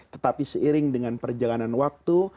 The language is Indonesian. tetapi seiring dengan perjalanan waktu